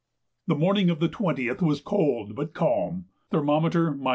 The morning of the 20th was cold, but calm; thermometer 24°.